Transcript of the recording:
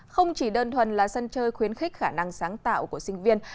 không chỉ đơn thuần là sân chơi khuyến khích khả năng sáng tạo của sinh viên